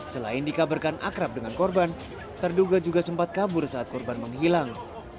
selain dikabarkan akrab dengan korban terduga juga sempat kabur saat korban menghilang